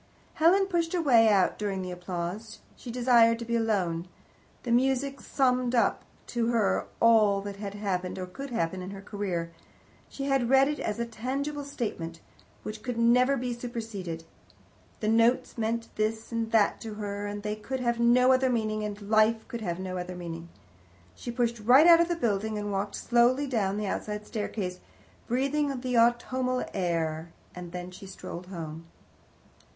Helen pushed her way out during the applause. She desired to be alone. The music summed up to her all that had happened or could happen in her career. She read it as a tangible statement, which could never be superseded. The notes meant this and that to her, and they could have no other meaning, and life could have no other meaning. She pushed right out of the building, and walked slowly down the outside staircase, breathing the autumnal air, and then she strolled home.